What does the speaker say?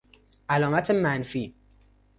علامت منفی